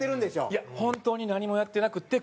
いや本当に何もやってなくて。